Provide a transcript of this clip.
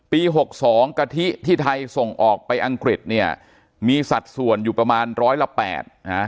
หกสองกะทิที่ไทยส่งออกไปอังกฤษเนี่ยมีสัดส่วนอยู่ประมาณร้อยละแปดนะ